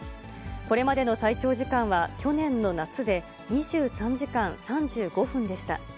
これまでの最長時間は、去年の夏で２３時間３５分でした。